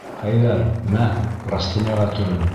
Хәйҙәр, мә, простыняға төрөн.